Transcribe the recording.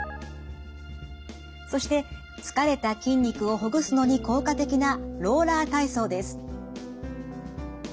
そして疲れた筋肉をほぐすのに効果的なローラー体操です。